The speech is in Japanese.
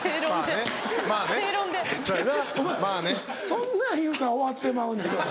そんなん言うたら終わってまうねん話。